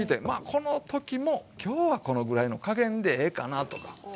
この時も今日はこのぐらいの加減でええかなとかね。